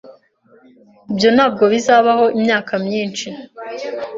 Ibyo ntabwo bizabaho imyaka myinshi.